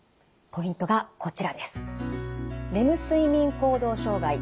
ポイントがこちらです。